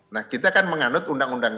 nah kita kan menganut undang undang